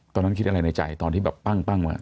ตอนนั้นคิดอะไรในใจตอนที่แบบปั้งว่า